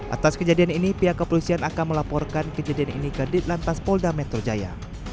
atas kejadian ini pihak kepolisian akan melaporkan kejadian ini ke ditlantas polda metro jaya